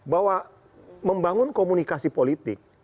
bahwa membangun komunikasi politik